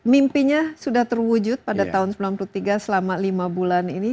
mimpinya sudah terwujud pada tahun seribu sembilan ratus sembilan puluh tiga selama lima bulan ini